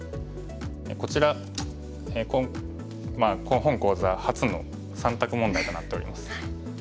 こちら本講座初の３択問題となっております。